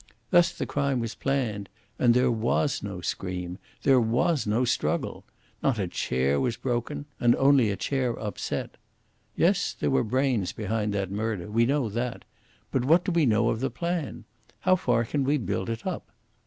Thus the crime was planned; and there WAS no scream, there WAS no struggle. Not a chair was broken, and only a chair upset. Yes, there were brains behind that murder. We know that. But what do we know of the plan? How far can we build it up?